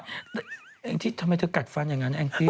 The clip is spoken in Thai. เองที่ทำไมเธอกัดฟันอย่างนั้นแองจี้